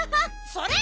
それ！